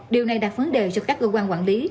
điều này đặt vấn đề cho các cơ quan quản lý